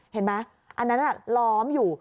เห็นไหมอันนั้นล้อมอยู่